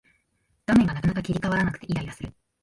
画面がなかなか切り替わらなくてイライラする